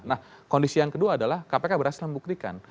nah kondisi yang kedua adalah kpk berhasil membuktikan